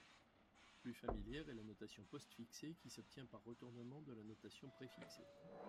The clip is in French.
Plus familière est la notation postfixée qui s'obtient par retournement de la notation préfixée.